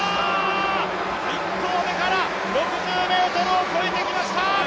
１投目から６０ｍを超えてきました！